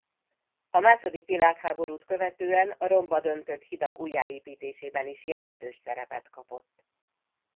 A második világháborút követően a romba döntött hidak újjáépítésében is jelentős szerepet kapott.